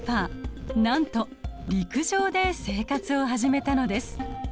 なんと陸上で生活を始めたのです。